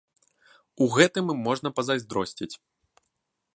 У гэтым ім можна пазайздросціць.